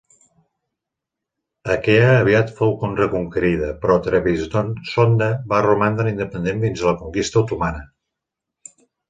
Aquea aviat fou reconquerida, però Trebisonda va romandre independent fins a la conquista otomana.